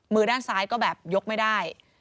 มือด้านซ้ายก็แบบยกไม่ได้